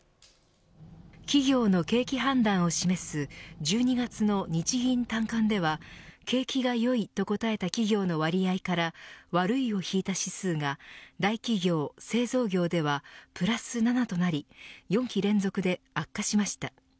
企業の景気判断を示す１２月の日銀短観では景気が良いと答えた企業の割合から悪いを引いた指数が大企業、製造業ではプラス７となり４期連続で悪化しました。